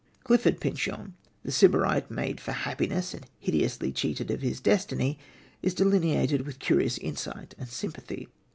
Clifford Pyncheon the sybarite made for happiness and hideously cheated of his destiny is delineated with curious insight and sympathy.